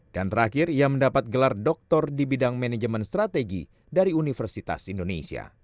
dan terakhir ia mendapat gelar doktor di bidang manajemen strategi dari universitas indonesia